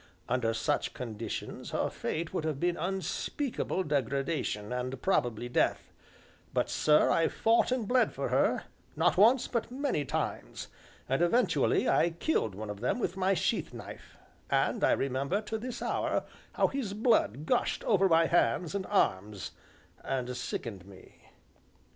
Under such conditions her fate would have been unspeakable degradation, and probably death; but, sir, I fought and bled for her, not once but many times, and eventually I killed one of them with my sheath knife, and I remember, to this hour, how his blood gushed over my hands and arms, and sickened me.